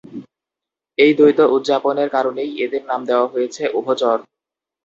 এই দ্বৈত জীবনযাপনের কারণেই এদের নাম দেয়া হয়েছে উভচর।